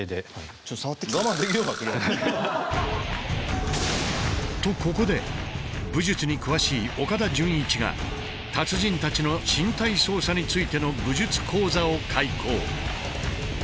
ちょっと触ってきて。とここで武術に詳しい岡田准一が達人たちの身体操作についての武術講座を開講。